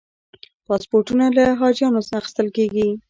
پاسپورتونه له حاجیانو اخیستل کېږي.